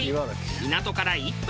港から１分！